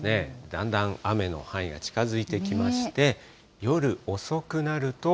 だんだん雨の範囲が近づいてきまして、夜遅くなると。